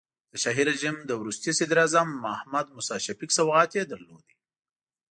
د شاهي رژیم د وروستي صدراعظم محمد موسی شفیق سوغات یې درلود.